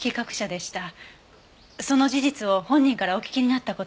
その事実を本人からお聞きになった事は？